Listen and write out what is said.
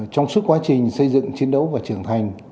trong suốt quá trình xây dựng chiến đấu và trưởng thành